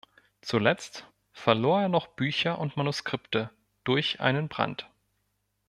Zuletzt verlor er noch Bücher und Manuskripte durch einen Brand.